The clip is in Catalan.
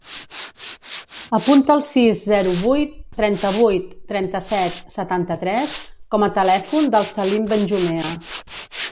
Apunta el sis, zero, vuit, trenta-vuit, trenta-set, setanta-tres com a telèfon del Salim Benjumea.